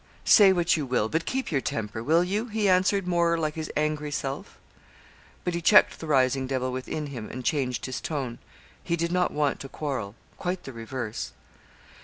'Say what you will, but keep your temper will you?' he answered, more like his angry self. But he checked the rising devil within him, and changed his tone; he did not want to quarrel quite the reverse.